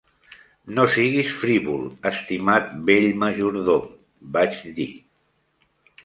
"No siguis frívol, estimat vell majordom", vaig dir.